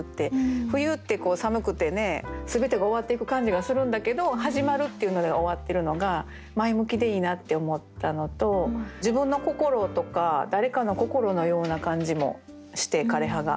冬ってこう寒くてね全てが終わっていく感じがするんだけど「はじまる」っていうので終わってるのが前向きでいいなって思ったのと自分の心とか誰かの心のような感じもして「枯れ葉」が。